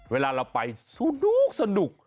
เวลาเราไปสนุก